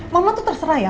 mama tuh terserah ya